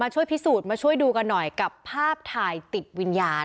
ช่วยพิสูจน์มาช่วยดูกันหน่อยกับภาพถ่ายติดวิญญาณ